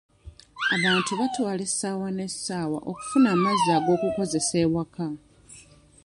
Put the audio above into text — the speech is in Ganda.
Abantu batwala essaawa n'essaawa okufuna amazzi ag'okukozesa ewaka.